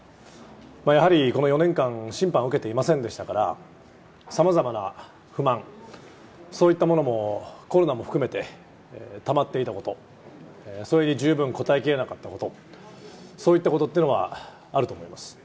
やはりこの４年間、審判を受けていませんでしたから、さまざまな不満、そういったものもコロナも含めて、たまっていたこと、それに十分応えきれなかったこと、そういったことっていうのはあると思います。